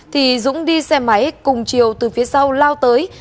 thì dũng đi xe máy cùng chiều từ phía sau lao tới